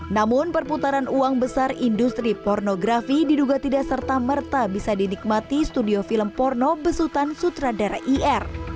namun perputaran uang besar industri pornografi diduga tidak serta merta bisa dinikmati studio film porno besutan sutradara ir